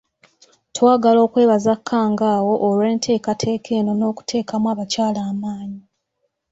Twagala okwebaza Kkangaawo olw'enteekateeka eno n'okuteekamu abakyala amaanyi.